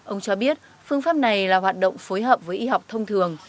ông cho biết phương pháp này là hoạt động phối hợp với y học thông thường